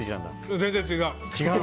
全然違う。